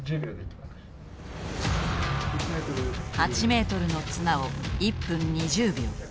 ８メートルの綱を１分２０秒。